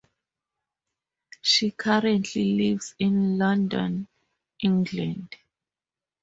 She currently lives in London, England.